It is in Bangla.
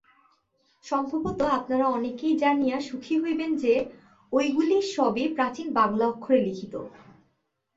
সম্ভবত আপনারা অনেকেই জানিয়া সুখী হইবেন যে, ঐগুলি সবই প্রাচীন বাঙলা অক্ষরে লিখিত।